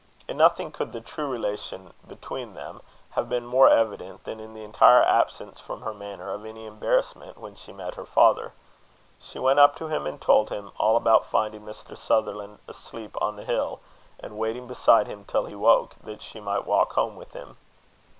In nothing could the true relation between them have been more evident than in the entire absence from her manner of any embarrassment when she met her father. She went up to him and told him all about finding Mr. Sutherland asleep on the hill, and waiting beside him till he woke, that she might walk home with him.